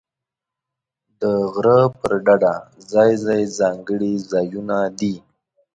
د غره پر ډډه ځای ځای ځانګړي ځایونه دي.